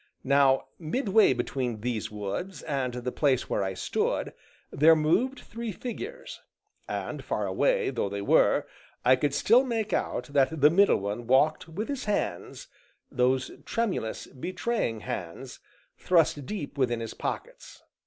Now, midway between these woods and the place where I stood, there moved three figures; and, far away though they were, I could still make out that the middle one walked with his hands those tremulous betraying hands thrust deep within his pockets.